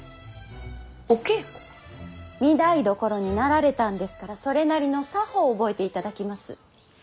御台所になられたんですからそれなりの作法を覚えていただきます。